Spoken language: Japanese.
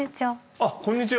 あっこんにちは。